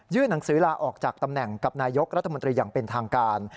หนังสือลาออกจากตำแหน่งกับนายกรัฐมนตรีอย่างเป็นทางการ